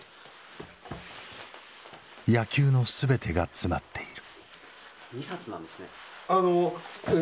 野球の全てが詰まっている。